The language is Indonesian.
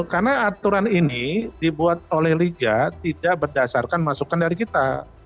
karena aturan ini dibuat oleh liga tidak berdasarkan masukan dari kita